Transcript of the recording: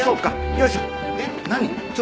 よいしょ。